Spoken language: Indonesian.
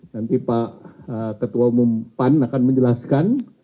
nanti pak ketua umum pan akan menjelaskan